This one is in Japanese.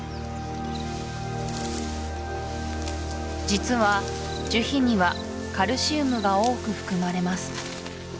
実は樹皮にはカルシウムが多く含まれます